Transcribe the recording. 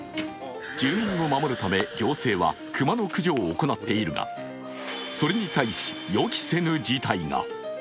住民を守るため行政は熊野駆除を行っているが、それに対し、予期せぬ事態が。